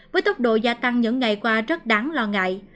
với tốc độ gia tăng những ngày qua rất đáng lo ngại